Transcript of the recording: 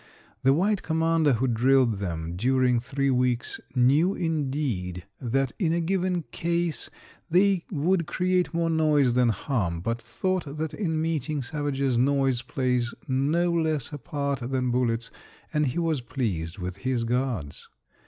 The white commander who drilled them during three weeks knew, indeed, that in a given case they would create more noise than harm, but thought that in meeting savages noise plays no less a part than bullets, and he was pleased with his guards.